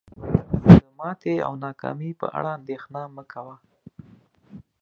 د ماتي او ناکامی په اړه اندیښنه مه کوه